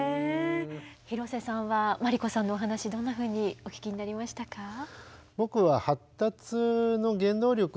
広瀬さんは真理子さんのお話どんなふうにお聞きになりましたか？